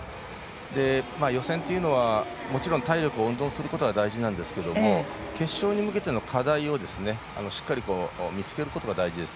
予選というのはもちろん体力を温存することが大事なんですけれども決勝に向けての課題をしっかり見つけることが大事です。